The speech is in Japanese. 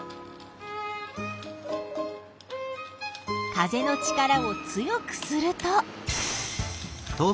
風の力を強くすると。